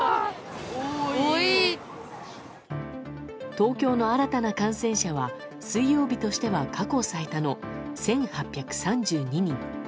東京の新たな感染者は水曜日としては過去最多の１８３２人。